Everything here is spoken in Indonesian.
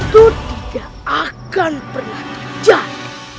itu tidak akan pernah terjadi